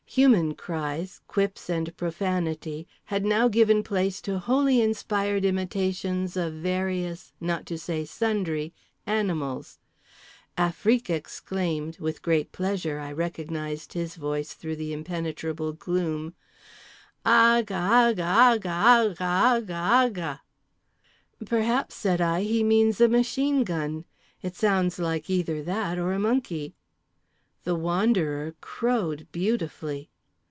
Human cries, quips and profanity had now given place to wholly inspired imitations of various, not to say sundry, animals. Afrique exclaimed—with great pleasure I recognised his voice through the impenetrable gloom: "Agahagahagahagahagah!" —"perhaps," said I, "he means a machine gun; it sounds like either that or a monkey." The Wanderer crowed beautifully.